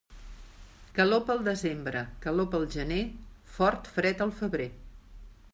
Calor pel desembre, calor pel gener, fort fred al febrer.